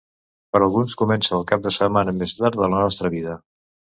Per alguns comença el cap de setmana més llarg de la nostra vida.